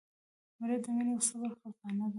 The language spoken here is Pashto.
مړه د مینې او صبر خزانه وه